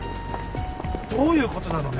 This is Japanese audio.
どういうことなの？